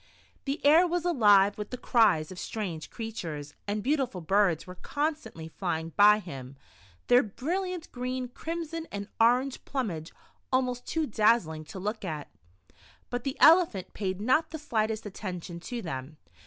The air was aHve with the cries of strange creatures, and beautiful birds were constantly flying by him, their brilliant green, crimson, and orange plumage al most too dazzling to look at. But the Elephant paid not the slightest attention to them.